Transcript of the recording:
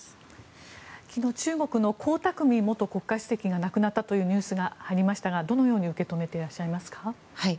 昨日、中国の江沢民元国家主席が亡くなったというニュースがありましたがどのように受け止めていらっしゃいますか？